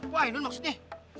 wow itu maksudnya